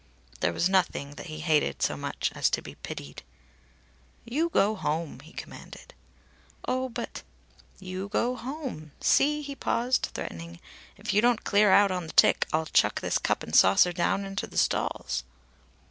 There was nothing that he hated so much as to be pitied. "You go home!" he commanded. "Oh, but " "You go home! See?" He paused, threatening. "If you don't clear out on the tick, I'll chuck this cup and saucer down into the stalls."